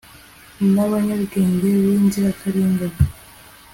Nabanyabwenge binzirakarengane